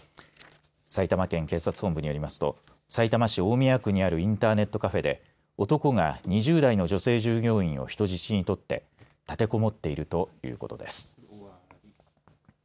埼玉県警察本部によりますとさいたま市大宮区にあるインターネットカフェで男が２０代の女性従業員を人質に取って立てこもっているということです。